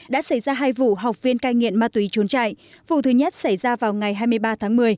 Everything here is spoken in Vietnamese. đã xảy ra hai vụ học viên cai nghiện ma túy trốn chạy vụ thứ nhất xảy ra vào ngày hai mươi ba tháng một mươi